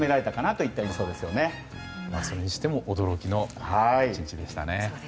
それにしても驚きの１日でしたね。